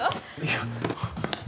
いや。